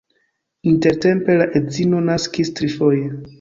Intertempe la edzino naskis trifoje.